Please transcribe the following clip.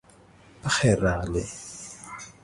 پخیر راغلی